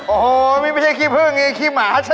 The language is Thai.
โอ้โฮมันไม่ใช่ขี้เพลิงมันคือขี้หมาชัด